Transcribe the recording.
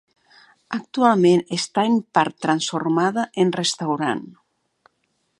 Actualment està en part transformada en restaurant.